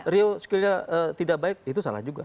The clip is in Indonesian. rio skillnya tidak baik itu salah juga